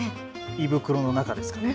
胃袋の中ですかね。